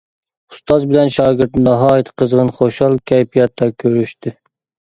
ئۇستاز بىلەن شاگىرت ناھايىتى قىزغىن، خۇشال كەيپىياتتا كۆرۈشتى.